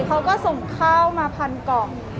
เขาก็ส่งข้าวมาพันกล่อง